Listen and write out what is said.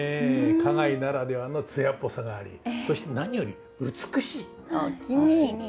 花街ならではの艶っぽさがありそして何より美しい。おおきに。